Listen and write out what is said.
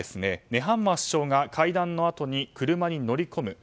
ネハンマー首相が会談のあとに車に乗り込む。